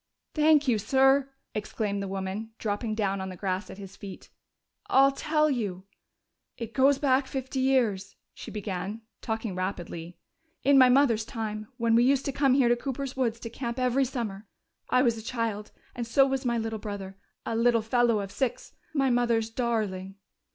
"Thank you, sir!" exclaimed the woman, dropping down on the grass at his feet. "I'll tell you.... "It goes back fifty years," she began, talking rapidly, "in my mother's time, when we used to come here to Cooper's woods to camp every summer.... I was a child and so was my little brother. A little fellow of six my mother's darling....